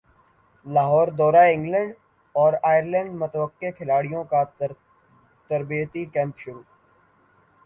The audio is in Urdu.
لاہوردورہ انگلینڈ اور ئرلینڈمتوقع کھلاڑیوں کا تربیتی کیمپ شروع